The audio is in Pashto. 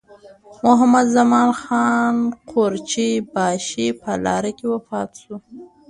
محمدزمان خان قورچي باشي په لاره کې وفات شو.